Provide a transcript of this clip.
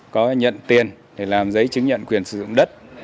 có nhận tiền để làm giấy chứng nhận quyền sử dụng đất